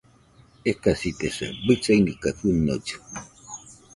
Ekasitesa, bɨsani kaɨ fɨnollɨ